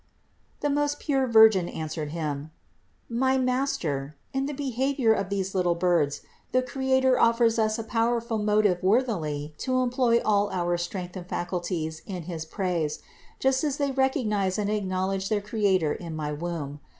The most pure Virgin answered him: "My master, in the behavior of these little birds the Creator offers us a powerful motive worthily to employ all our strength and faculties in his praise, just as they recognize and acknowledge their Creator in my womb.